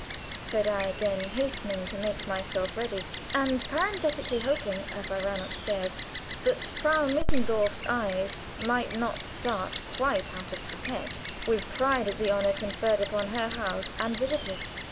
said I, again, hastening to make myself ready, and parenthetically hoping, as I ran upstairs, that Frau Mittendorf's eyes might not start quite out of her head with pride at the honor conferred upon her house and visitors.